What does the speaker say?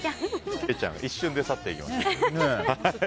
一瞬で去っていきました。